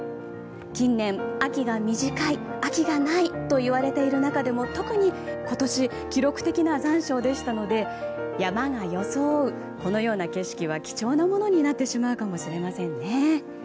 近年、秋が短い秋がないといわれている中でも特に今年記録的な残暑でしたので山が装う、このような景色は貴重なものになってしまうかもしれませんね。